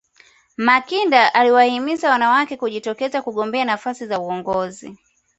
makinda aliwahimiza wanawake kujitokeza kugombea nafasi za uongozi